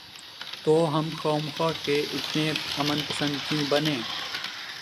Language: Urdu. تو ہم خواہ مخواہ کے اتنے امن پسند کیوں بنیں؟